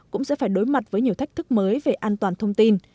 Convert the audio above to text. cũng sẽ phải đối mặt với nhiều thách thức mới về an toàn thông tin